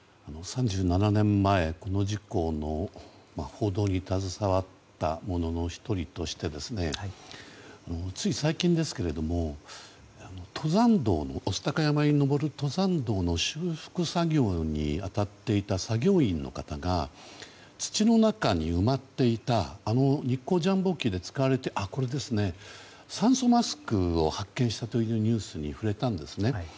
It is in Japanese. ３７年前、この事故の報道に携わったものの１人としてつい最近ですが御巣鷹山に登る登山道の修復作業に当たっていた作業員の方が土の中に埋まっていたあの日航ジャンボ機で使われていた酸素マスクを発見したというニュースに触れたんですね。